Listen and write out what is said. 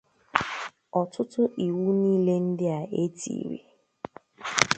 ọtụtụ iwu niile ndị a e tiri